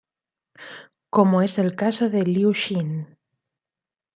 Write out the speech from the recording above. Como es el caso de Liu Xin.